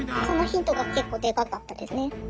そのヒントが結構デカかったですね。